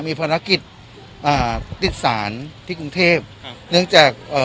มีภารกิจอ่าติดศาลที่กรุงเทพครับเนื่องจากเอ่อ